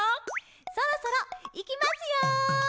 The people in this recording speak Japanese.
「そろそろ、いきますよ！」